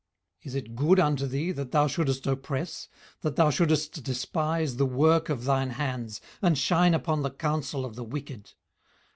18:010:003 Is it good unto thee that thou shouldest oppress, that thou shouldest despise the work of thine hands, and shine upon the counsel of the wicked?